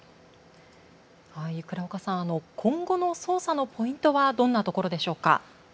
倉岡さん、今後の捜査のポイントはどんなところでしょうか。